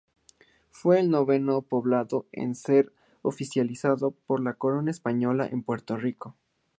Fue el noveno poblado en ser oficializado por la corona española en Puerto Rico.